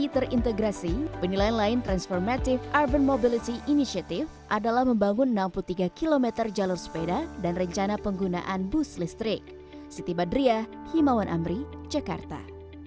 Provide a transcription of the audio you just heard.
pemprov dki jakarta nantinya akan menambah lima stasiun terpadu diantaranya stasiun palmera gondang dia ceklingko